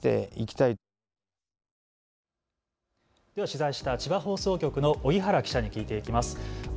取材した千葉放送局の荻原記者に聞いていきます。